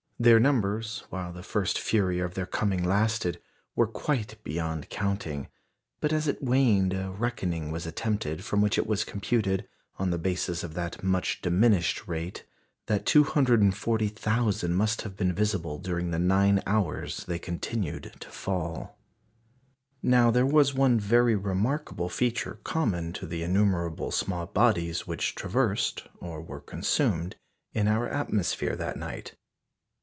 Their numbers, while the first fury of their coming lasted, were quite beyond counting; but as it waned, a reckoning was attempted, from which it was computed, on the basis of that much diminished rate, that 240,000 must have been visible during the nine hours they continued to fall. Now there was one very remarkable feature common to the innumerable small bodies which traversed, or were consumed in our atmosphere that night.